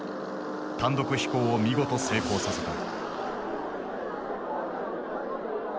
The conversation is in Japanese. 単独飛行を見事成功させた。